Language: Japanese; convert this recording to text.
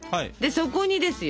そこにですよ